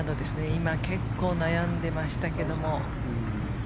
今、結構悩んでましたけども。